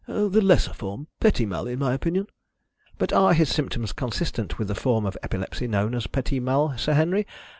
"The lesser form petit mal, in my opinion." "But are his symptoms consistent with the form of epilepsy known as petit mal, Sir Henry?